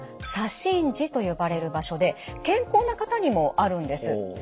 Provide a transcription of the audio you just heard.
左心耳と呼ばれる場所で健康な方にもあるんです。